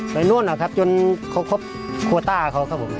นู่นนะครับจนเขาครบโควต้าเขาครับผม